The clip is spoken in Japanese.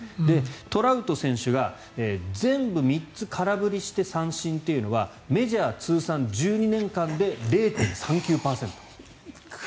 トラウト選手が全部３つ空振りして三振というのはメジャー通算１２年間で０．３９％。